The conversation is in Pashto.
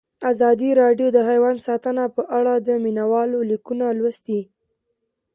ازادي راډیو د حیوان ساتنه په اړه د مینه والو لیکونه لوستي.